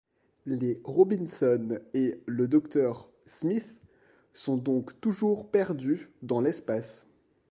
Les Robinson et le docteur Smith sont donc toujours perdus dans l'espace.